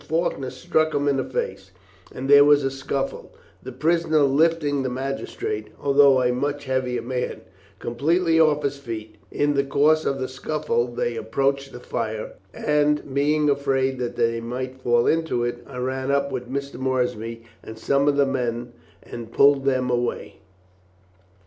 Faulkner struck him in the face, and there was a scuffle, the prisoner lifting the magistrate, although a much heavier man, completely off his feet. In the course of the scuffle they approached the fire, and being afraid that they might fall into it, I ran up with Mr. Moorsby and some of the men, and pulled them away."